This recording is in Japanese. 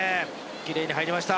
きれいに入りました。